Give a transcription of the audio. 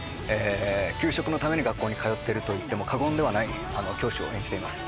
給食のために学校に通っているといっても過言ではない教師を演じています。